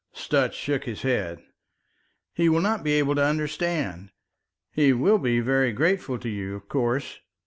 Sutch shook his head. "He will not be able to understand. He will be very grateful to you, of course.